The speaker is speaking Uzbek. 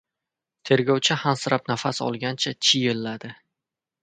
Tergovchi hansirab nafas olgancha chiyilladi.